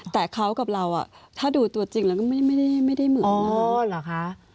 แต่เขากับเราถ้าดูตัวจริงแล้วก็ไม่ได้เหมือน